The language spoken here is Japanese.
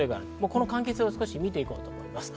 この関係性を見て行こうと思います。